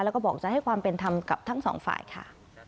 แล้วก็บอกจะให้ความเป็นธรรมกับทั้งสองฝ่ายค่ะ